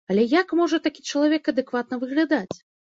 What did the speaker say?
Але як можа такі чалавек адэкватна выглядаць?